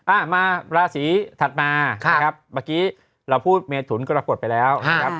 อ่ามาราศีถัดมานะครับเมื่อกี้เราพูดเมถุนกรกฎไปแล้วนะครับ